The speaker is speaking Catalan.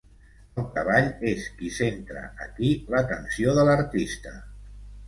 El cavall és qui centra aquí l'atenció de l'artista.